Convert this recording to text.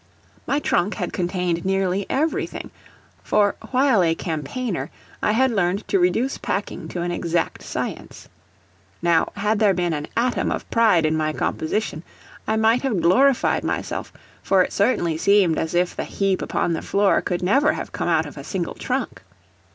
My trunk had contained nearly everything, for while a campaigner I had learned to reduce packing to an exact science. Now, had there been an atom of pride in my composition I might have glorified myself, for it certainly seemed as if the heap upon the floor could never have come out of a single trunk.